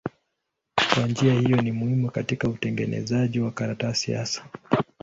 Kwa njia hiyo ni muhimu katika utengenezaji wa karatasi hasa.